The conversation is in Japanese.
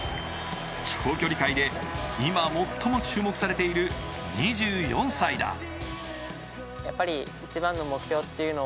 長距離界で今最も注目されている２４歳だ。